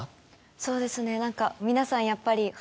そうですね何かやっぱり。